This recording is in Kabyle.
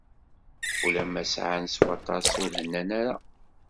Ulamma sεan s waṭas, ur hennan ara.